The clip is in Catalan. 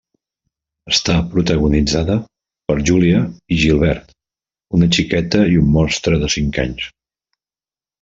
Està protagonitzada per Júlia i Gilbert, una xiqueta i un monstre de cinc anys.